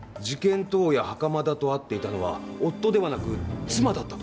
当夜袴田と会っていたのは夫ではなく妻だったと。